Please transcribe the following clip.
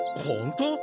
ほんと？